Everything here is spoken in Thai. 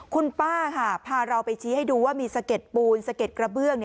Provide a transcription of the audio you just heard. คุณป้าค่ะพาเราไปชี้ให้ดูว่ามีสะเด็ดปูนสะเก็ดกระเบื้อง